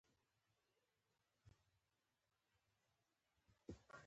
زما د ماینې خور زما خوښینه کیږي.